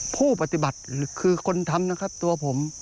ผู้ปฏิบัติคือคนทำนะครับตัวผม